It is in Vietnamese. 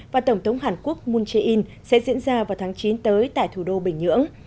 và tổng thống hàn quốc moon jae in sẽ diễn ra vào tháng chín tới tại thủ đô bình nhưỡng